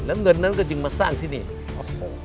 แล้วเงินนั้นก็จึงมาสร้างที่นี่ครับผม